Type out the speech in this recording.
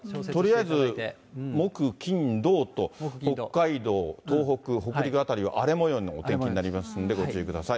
とりあえず木、金、土と、北海道、東北、北陸辺りは荒れもようのお天気になりますので、ご注意ください。